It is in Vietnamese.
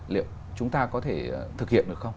liệu chúng ta có thể thực hiện được không